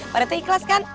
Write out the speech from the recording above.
pak rete ikhlas kan